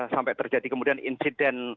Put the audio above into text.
sampai terjadi kemudian insiden